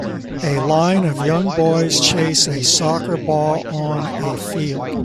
A line of young boys chase a soccer ball on a field